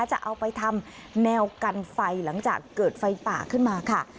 จะเอาไปทำแนวกันไฟหลังจากเกิดไฟป่าขึ้นมาค่ะ